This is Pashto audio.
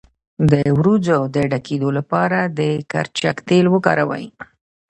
د وروځو د ډکیدو لپاره د کرچک تېل وکاروئ